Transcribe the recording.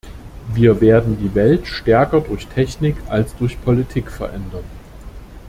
Wir werden die Welt stärker durch Technik als durch Politik verändern.